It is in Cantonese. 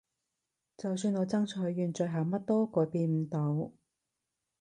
就算我爭取完最後乜都改變唔到